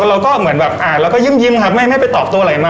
ครับเราก็เหมือนแบบเราก็ยิ้มครับไม่ตอบตัวอะไรมา